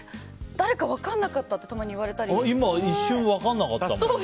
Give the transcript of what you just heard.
誰か分かんなかったって一瞬分かんなかったもん。